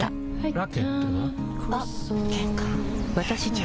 ラケットは？